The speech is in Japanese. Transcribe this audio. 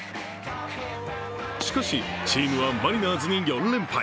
しかし、チームはマリナーズに４連敗。